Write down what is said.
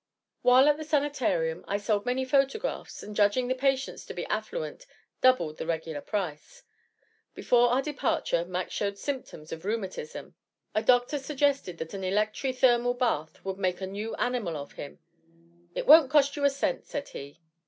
While at the Sanitarium I sold many photographs, and judging the patients to be affluent, doubled the regular price. Before our departure, Mac showed symptoms of rheumatism. A doctor suggested that an electri thermal bath would make a new animal of him. "It won't cost you a cent," said he.